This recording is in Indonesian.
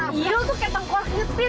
dia tuh kaya tengkor